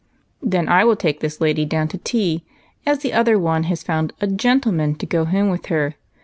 " Then I will take this lady down to tea, as the other one has found a gentleman to go home with her.